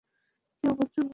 কি অভদ্র লোক সব!